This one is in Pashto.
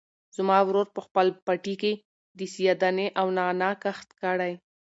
زما ورور په خپل پټي کې د سیاه دانې او نعناع کښت کړی.